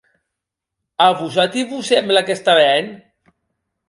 A vosati vos semble qu'està ben?